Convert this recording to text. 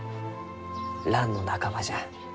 ランの仲間じゃ。